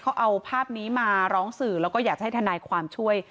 เขาเอาภาพนี้มาร้องสื่อแล้วก็อยากจะให้ทนายความช่วย